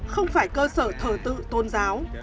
không phải cơ sở thờ tự tôn giáo